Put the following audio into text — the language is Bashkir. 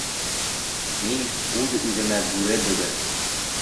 Мин үҙ-үҙемә бүре бөгөн.